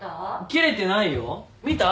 切れてないよ見た？